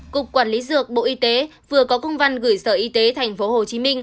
cục quản lý dược bộ y tế vừa có công văn gửi sở y tế tp hcm